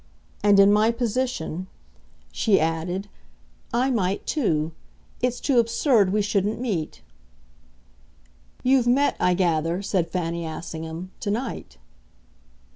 And in my position," she added, "I might too. It's too absurd we shouldn't meet." "You've met, I gather," said Fanny Assingham, "to night."